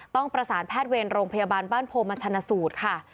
ต้องประสานแพทย์เวรโรงพยาบาลบ้านโพมาชนะสูตรค่ะ